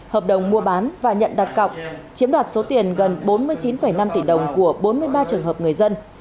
hợp đồng mua bán và nhận đặt cọc chiếm đoạt số tiền gần bốn mươi chín năm tỷ đồng của bốn mươi ba trường hợp người dân